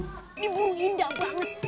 ini burung indah banget